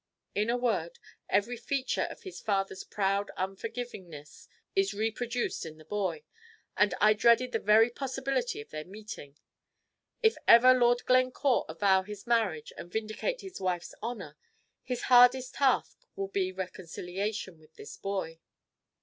In a word, every feature of the father's proud unforgivingness is reproduced in the boy, and I dreaded the very possibility of their meeting. If ever Lord Glencore avow his marriage and vindicate his wife's honor, his hardest task will be reconciliation with this boy."